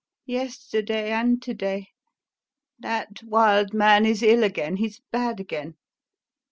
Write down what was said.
Yesterday and to day. That wild man is ill again, he's bad again....